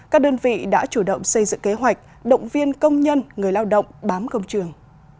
các đơn vị đã chủ động xây dựng kế hoạch động viên công nhân người lao động bám công trường